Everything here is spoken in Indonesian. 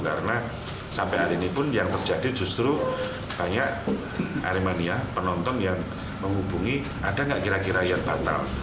walaupun yang terjadi justru banyak aremania penonton yang menghubungi ada nggak kira kira yang batal